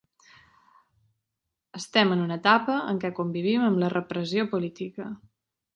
Estem en una etapa en què convivim amb la repressió política.